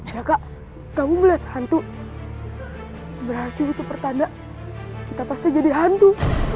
jaka kamu melihat hantu berarti untuk pertanda kita pasti jadi hantu